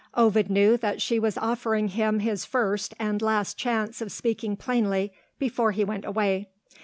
Ovid knew that she was offering him his first and last chance of speaking plainly, before he went away.